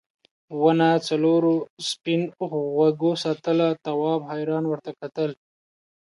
ونه څلورو سپین غوږو ساتله تواب حیران ورته وکتل.